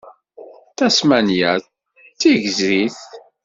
Tasmanya d tigzrit.